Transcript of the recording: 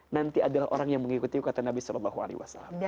nanti adalah orang yang mengikuti kata nabi saw